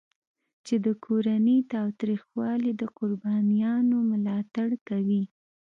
چې د کورني تاوتریخوالي د قربانیانو ملاتړ کوي.